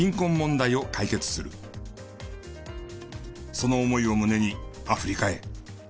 その思いを胸にアフリカへ。